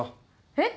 えっ？